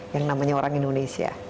yang namanya orang indonesia